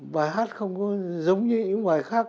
bài hát không có giống như những bài khác